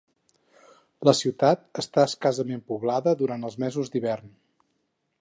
La ciutat està escassament poblada durant els mesos d'hivern.